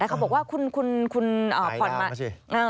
และเขาว่าคุณผอนมา